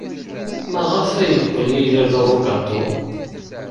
Maɣef ay yeqqel Yidir d abugaṭu?